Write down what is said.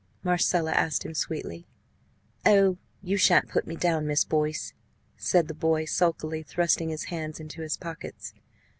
Marcella asked him sweetly. "Oh, you shan't put me down, Miss Boyce!" said the boy, sulkily thrusting his hands into his pockets.